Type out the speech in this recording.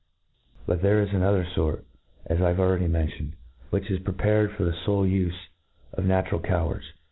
But there is another fort, as I have already mentioned, which is prepared for the fole ufe of natural cowards